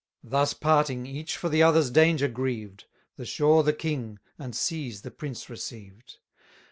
Thus parting, each for the other's danger grieved, The shore the king, and seas the prince received.